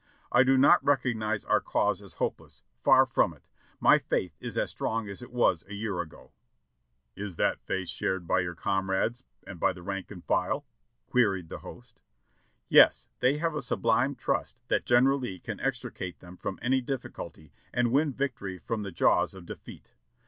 I do not recognize our cause as hopeless; far from it. My faith is as strong as it was a year ago." "Is that faith shared by your comrades and by the rank and file?" queried the host. "Yes ! they have a sublime trust that General Lee can extricate them from any difficulty and win victory from the jaws of defeat.